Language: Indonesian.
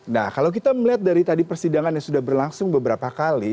nah kalau kita melihat dari tadi persidangan yang sudah berlangsung beberapa kali